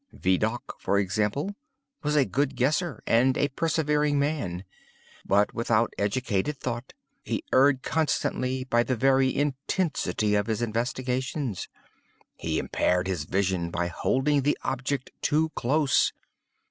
Vidocq, for example, was a good guesser and a persevering man. But, without educated thought, he erred continually by the very intensity of his investigations. He impaired his vision by holding the object too close.